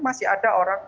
masih ada orang